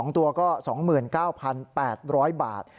๒ตัวก็๒๙๘๐๐บาท